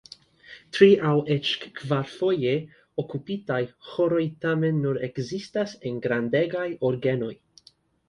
Tri- aŭ eĉ kvarfoje okupitaj ĥoroj tamen nur ekzistas en grandegaj orgenoj.